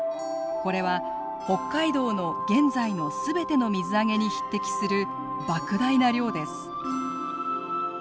これは北海道の現在の全ての水揚げに匹敵するばく大な量です。